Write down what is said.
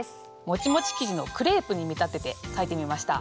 もちもち生地のクレープに見立てて書いてみました。